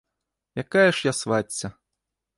Якая ж я свацця?